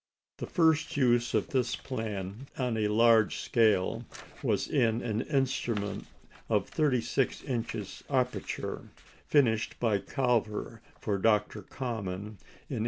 The first use of this plan on a large scale was in an instrument of thirty six inches aperture, finished by Calver for Dr. Common in 1879.